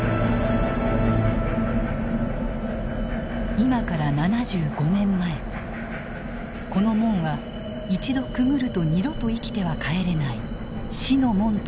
今から７５年前この門は一度くぐると二度と生きては帰れない死の門と呼ばれていた。